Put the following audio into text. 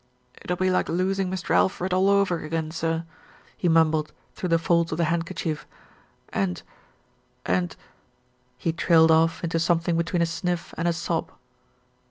"It'll be like losing Mr. Alfred all over again, sir," he mumbled through the folds of the handkerchief, "and, and " He trailed off into something between a sniff and a sob.